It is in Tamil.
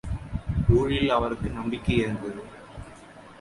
ஊழில் அவருக்கு நம்பிக்கை இருந்தது.